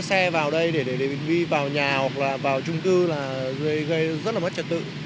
xe vào đây để đi vào nhà hoặc là vào trung cư là gây rất là mất trật tự